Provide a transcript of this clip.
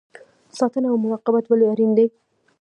ساتنه او مراقبت ولې اړین دی؟